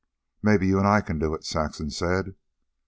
"Maybe you and I can do it," Saxon said.